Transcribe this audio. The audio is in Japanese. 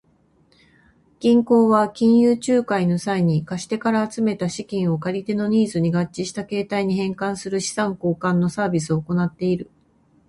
銀行は金融仲介の際に、貸し手から集めた資金を借り手のニーズに合致した形態に変換する資産変換のサービスを行っている。